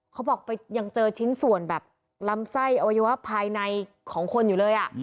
เขาบอกไปยังเจอชิ้นส่วนแบบลำไส้อวัยวะภายในของคนอยู่เลย